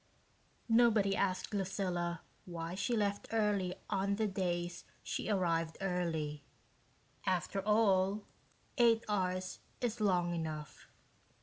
Nobody asked Lucilla why she left early on the days she arrived early after all, eight hours is long enough.